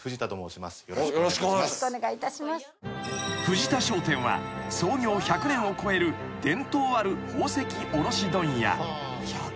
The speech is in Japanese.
［藤田商店は創業１００年を超える伝統ある宝石卸問屋］